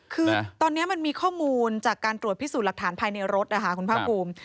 คือตอนนี้มันมีข้อมูลจากการตรวจพิสูจน์หลักฐานภายในรถนะคะคุณภาคภูมิ